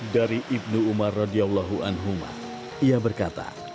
dari ibnu umar radiallahu anhumah ia berkata